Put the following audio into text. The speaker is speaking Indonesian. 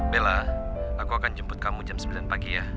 bella aku akan jemput kamu jam sembilan pagi ya